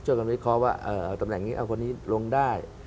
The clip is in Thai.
เราวิเคราะห์ว่าเอาตำแหน่งนี้เอาคนนี้ลงได้